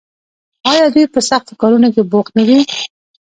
آیا دوی په سختو کارونو کې بوخت نه دي؟